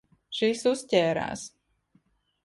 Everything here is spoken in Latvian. Šis uzķērās.